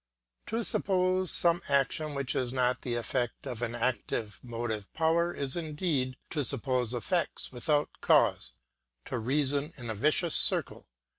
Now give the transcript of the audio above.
To suppose some action which is not the effect of an active motive power is indeed to suppose effects without cause, to reason in a vicious circle.